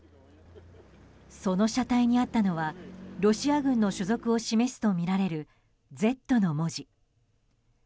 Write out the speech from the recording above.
その車体にあったのはロシア軍の所属を示すとみられる「Ｚ」の文字。